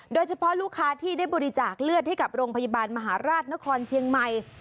โดยเฉพาะลูกค้าที่ได้บริจาคเลือดให้กับโรงพยาบาลมหาราชนครเชียงใหม่